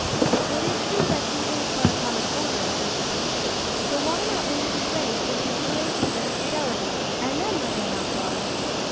"It is true that he is but a common soldier," urged the priest; "but why not raise his rank in consideration of his fidelity, and then let him mount guard?"